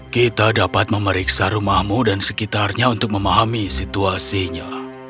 kita dapat memeriksa rumahmu dan sekitarnya untuk memahami situasinya